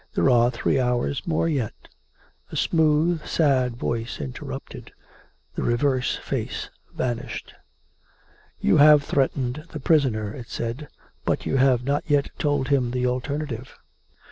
There are three hours more yet " A smooth, sad voice interrupted. (The reversed face vanished.) " You have threatened the prisoner," it said, " but you have not yet told him the alternative."